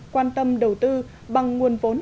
quan tâm đầu tư bằng nguồn vốn